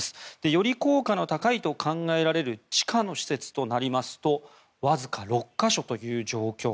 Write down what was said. より効果の高いと考えられる地下の施設となりますとわずか６か所という状況。